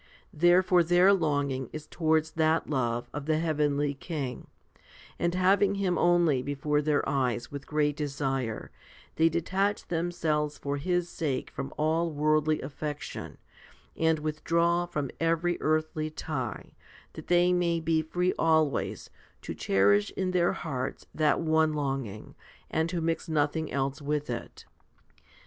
Therefore their longing is towards that love of the heavenly King, and having Him only before their eyes with great desire, they detach them selves for His sake from all worldly affection, and withdraw from every earthly tie, that they may be free always to cherish in their hearts that one longing, and to mix nothing else with it.